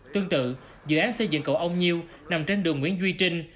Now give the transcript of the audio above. tương tự dự án xây dựng cầu ông nhiêu nằm trên đường nguyễn duy trinh